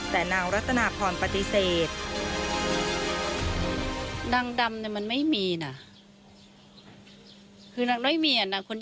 แต่นางรัตนาพรปฏิเสธ